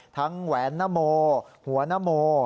แหวนนโมหัวนโม